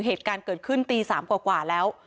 เหตุการณ์เกิดขึ้นตี๓กว่าแล้ว